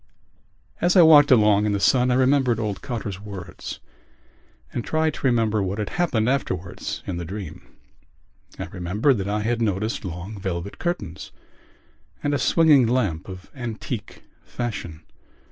As I walked along in the sun I remembered old Cotter's words and tried to remember what had happened afterwards in the dream. I remembered that I had noticed long velvet curtains and a swinging lamp of antique fashion.